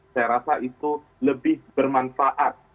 saya rasa itu lebih bermanfaat